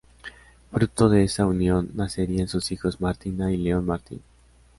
Fruto de esa unión nacerían sus hijos Martina y León Martín.